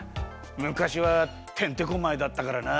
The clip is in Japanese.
むかしはてんてこまいだったからな。